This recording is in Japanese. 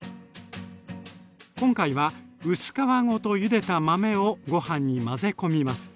今回は薄皮ごとゆでた豆をご飯に混ぜ込みます。